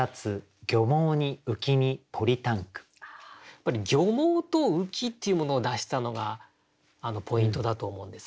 やっぱり「漁網」と「浮子」っていうものを出したのがポイントだと思うんですね。